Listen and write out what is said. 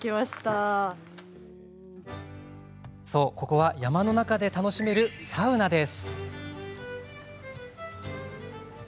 そう、ここは山の中で楽しめるサウナです。